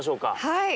はい。